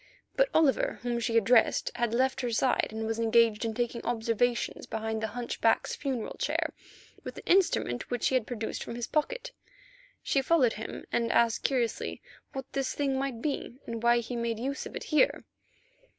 But Oliver, whom she addressed, had left her side and was engaged in taking observations behind the hunchback's funeral chair with an instrument which he had produced from his pocket. She followed him and asked curiously what this thing might be, and why he made use of it here.